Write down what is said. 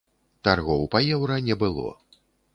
Таргоў па еўра не было.